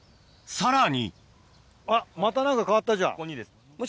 さらにあっまた何か変わったじゃん。